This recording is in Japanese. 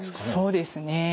そうですね